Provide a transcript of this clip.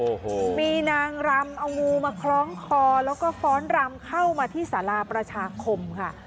โอ้โหมีนางรำเอางูมาคล้องคอแล้วก็ฟ้อนรำเข้ามาที่สาราประชาคมค่ะ